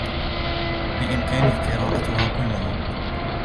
بإمكاني قراءتها كلها.